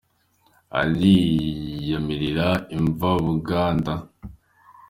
Ariyamirira imva-buganda